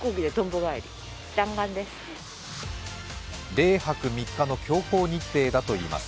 ０泊３日の強行日程だといいます。